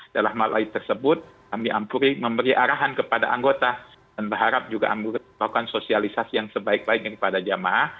dalam hal lain tersebut kami amplori memberi arahan kepada anggota dan berharap juga amplori melakukan sosialisasi yang sebaik baik daripada jemaah